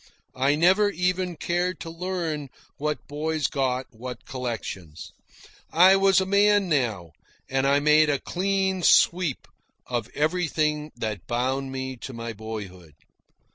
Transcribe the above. I never even cared to learn what boys got what collections. I was a man now, and I made a clean sweep of everything that bound me to my boyhood.